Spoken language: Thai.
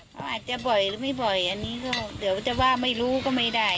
เขาอาจจะบ่อยหรือไม่บ่อยอันนี้ก็เดี๋ยวจะว่าไม่รู้ก็ไม่ได้